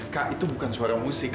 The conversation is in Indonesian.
kak itu bukan suara musik